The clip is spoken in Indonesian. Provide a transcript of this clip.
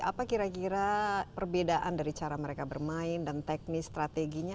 apa kira kira perbedaan dari cara mereka bermain dan teknis strateginya